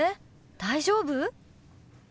大丈夫？